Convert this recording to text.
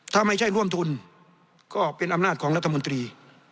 ถ้าไม่ใช่ร่วมทุนก็เป็นอำนาจของรัฐมนตรี